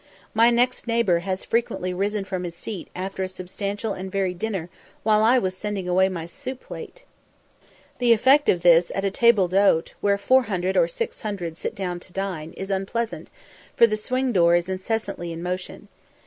My next neighbour has frequently risen from his seat after a substantial and varied dinner while I was sending away my soup plate. The effect of this at a table d'hôte, where 400 or 600 sit down to dine, is unpleasant, for the swing door is incessantly in motion.